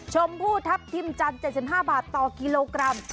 ชมพู่ทัพทิมจันทร์๗๕บาทต่อกิโลกรัม